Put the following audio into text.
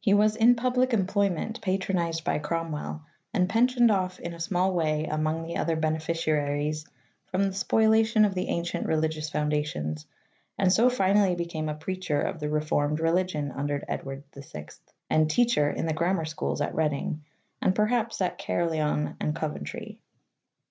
He was in public employment, patronized by Cromwell, and pensioned off in a small way' among the other bene ficiaries from the spoliation of the ancient religious foundations, and so finally became a preacher of the reformed religion under Edward VI and teacher in the grammar schools at Reading, and perhaps at Caerleon and Coventry.